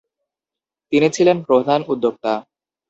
তিনি ছিলেন প্রধান উদ্যোক্তা।